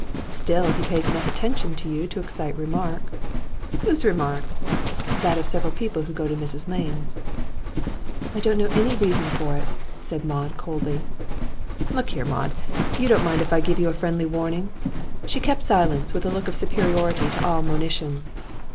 'Still, he pays enough attention to you to excite remark.' 'Whose remark?' 'That of several people who go to Mrs Lane's.' 'I don't know any reason for it,' said Maud coldly. 'Look here, Maud, you don't mind if I give you a friendly warning?' She kept silence, with a look of superiority to all monition.